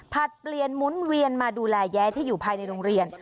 เปลี่ยนหมุนเวียนมาดูแลแย้ที่อยู่ภายในโรงเรียน